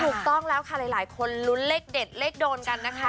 ถูกต้องแล้วค่ะหลายคนลุ้นเลขเด็ดเลขโดนกันนะคะ